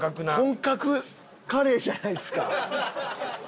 本格カレーじゃないっすか！